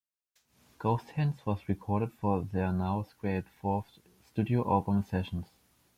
"Ghost Hands" was recorded for their now scrapped fourth studio album sessions.